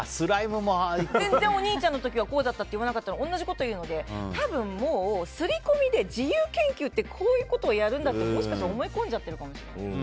全然、お兄ちゃんの時はこうだったって言わなかったのに同じこと言うので多分、刷り込みで自由研究ってこういうことをやるんだってもしかして思い込んじゃってるかもしれない。